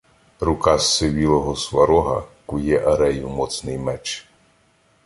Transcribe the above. Рука зсивілого Сварога Кує Арею моцний меч.